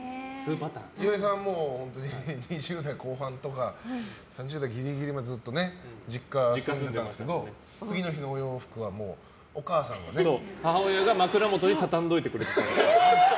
岩井さんは２０代後半とか３０代ギリギリまでずっと実家に住んでたんですけど次の日のお洋服はお母さんがね。母親が枕元に畳んでおいてくれて。